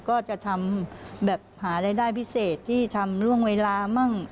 ก็จะทำแบบหารายได้พิเศษที่ทำล่วงเวลามั่ง